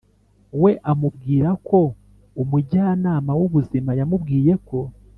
we amubwira ko umujyanama w’ubuzima yamubwiye ko